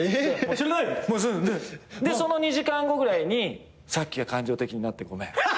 「しんどい！」でその２時間後ぐらいに「さっきは感情的になってごめん」